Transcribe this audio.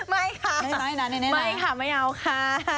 ไม่ค่ะไม่ค่ะไม่เอาค่ะ